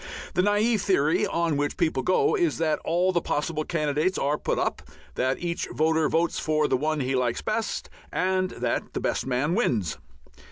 The naive theory on which people go is that all the possible candidates are put up, that each voter votes for the one he likes best, and that the best man wins.